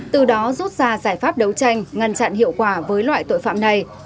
từ đó rút ra giải pháp đấu tranh ngăn chặn hiệu quả với loại tội phạm này